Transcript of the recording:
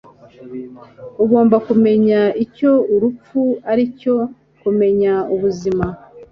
Ugomba kumenya icyo urupfu aricyo kumenya ubuzima.